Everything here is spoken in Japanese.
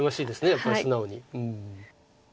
やっぱり素直に。